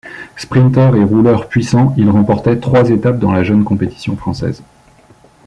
Sprinter et rouleur puissant, il remportait trois étapes dans la jeune compétition française.